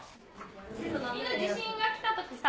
みんな地震が来たときさ